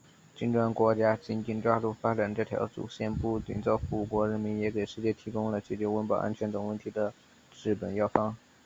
金砖国家紧紧抓住发展这条主线，不仅造福五国人民，也给世界提供了解决温饱、安全等问题的治本药方。